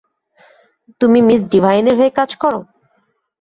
তুমি মিস ডিভাইনের হয়ে কাজ কর?